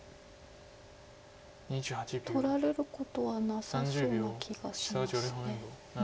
取られることはなさそうな気がします。